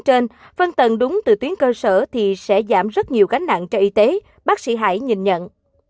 trên phân tầng đúng từ tuyến cơ sở thì sẽ giảm rất nhiều gánh nặng cho y tế bác sĩ hải nhìn nhận